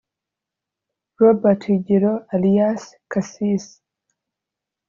Robert Higiro Alias Kasisi